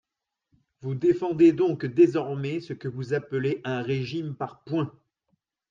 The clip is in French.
Vous défendez donc désormais ce que vous appelez un régime par points.